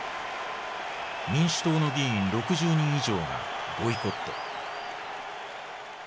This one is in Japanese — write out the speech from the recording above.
民主党の議員６０人以上がボイコット。